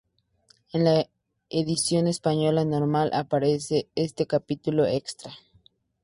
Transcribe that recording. En la edición española normal aparece este "capítulo extra".